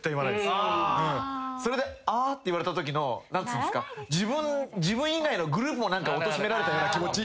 それで「あ？」って言われたときの自分以外のグループもおとしめられたような気持ち。